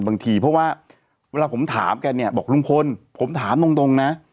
บางทีเพราะว่าเวลาผมถามแกเนี่ยบอกลุงพลผมถามตรงนะ